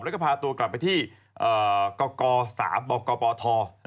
แล้วก็พาตัวกลับไปที่กก๓บกปท